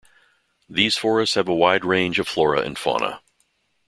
These forests have wide range of flora and fauna.